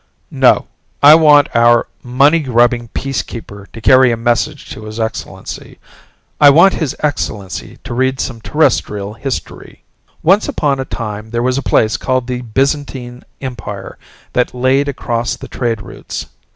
"No. I want our money grubbing Peacekeeper to carry a message to His Excellency. I want His Excellency to read some Terrestrial History. Once upon a time there was a place called the Byzantine Empire that laid across the trade routes.